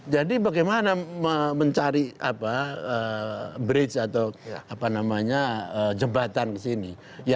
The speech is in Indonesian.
jadi bagaimana mencari apa bridge atau apa namanya jembatan kesini